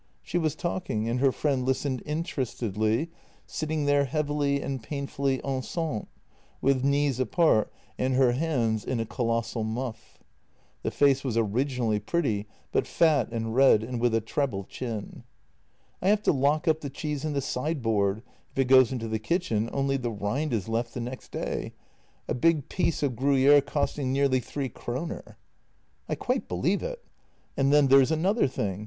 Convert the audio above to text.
She was talking, and her friend listened interestedly, sitting there heavily and painfully enceinte, with knees apart and her hands in a colossal muff. The face was originally pretty, but fat and red, and with a treble chin. " I have to lock up the cheese in the sideboard; if it goes into the kitchen only the rind is left the next day — a big piece of Gruyére costing nearly three kroner." " I quite believe it." " And then there's another thing.